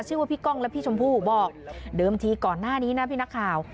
ชื่อว่าพี่ก้องและพี่ชมพู่บอกเดิมทีก่อนหน้านี้นะพี่นักข่าว